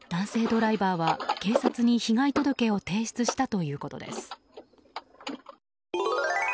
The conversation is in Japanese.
ドライバーは、警察に被害届を提出したということです。